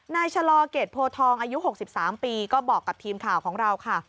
ชะลอเกรดโพทองอายุ๖๓ปีก็บอกกับทีมข่าวของเราค่ะ